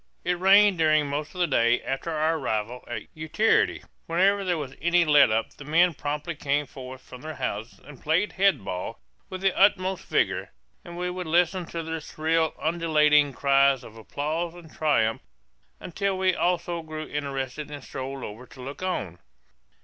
It rained during most of the day after our arrival at Utiarity. Whenever there was any let up the men promptly came forth from their houses and played head ball with the utmost vigor; and we would listen to their shrill undulating cries of applause and triumph until we also grew interested and strolled over to look on.